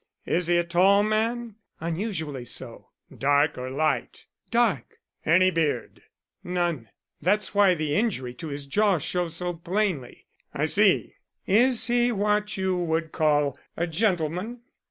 Is he a tall man?" "Unusually so." "Dark or light?" "Dark." "Any beard?" "None. That's why the injury to his jaw shows so plainly." "I see. Is he what you would call a gentleman?"